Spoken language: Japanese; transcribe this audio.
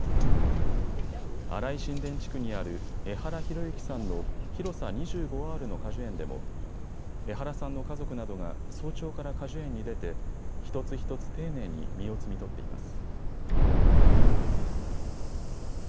荒井新田地区にある江原浩之さんの広さ２５アールの果樹園でも江原さんの家族などが早朝から果樹園に出て一つ一つ丁寧に実を摘み取っています。